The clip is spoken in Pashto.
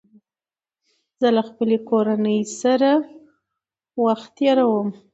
زه له خپلې کورنۍ سره وخت تېروم